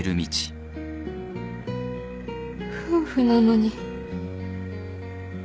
夫婦なのに。